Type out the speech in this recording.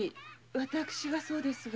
私がそうですが？